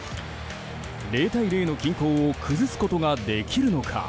０対０の均衡を崩すことができるのか。